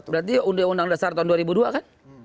berarti undang undang dasar tahun dua ribu dua kan